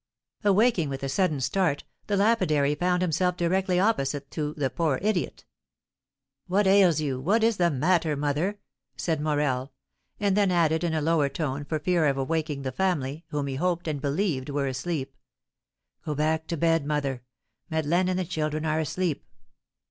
Awaking with a sudden start, the lapidary found himself directly opposite to the poor idiot. "What ails you? what is the matter, mother?" said Morel; and then added, in a lower tone, for fear of awaking the family, whom he hoped and believed were asleep, "Go back to bed, mother; Madeleine and the children are asleep!"